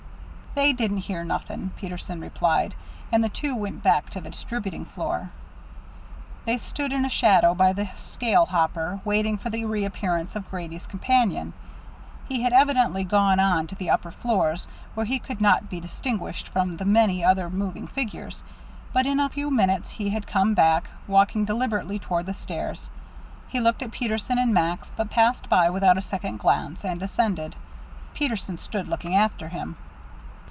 "They didn't hear nothing," Peterson replied, and the two went back to the distributing floor. They stood in a shadow, by the scale hopper, waiting for the reappearance of Grady's companion. He had evidently gone on to the upper floors, where he could not be distinguished from the many other moving figures; but in a few minutes he came back, walking deliberately toward the stairs. He looked at Peterson and Max, but passed by without a second glance, and descended. Peterson stood looking after him.